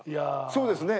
そうですね。